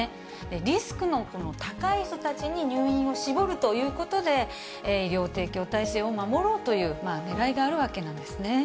リスクの高い人たちに入院を絞るということで、医療提供体制を守ろうというねらいがあるわけなんですね。